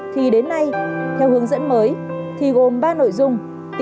thì đến nay theo hướng dẫn mới thì gồm ba nội dung